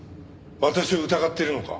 私を疑っているのか？